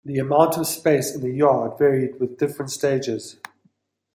The amount of space in the yard varied with different stages.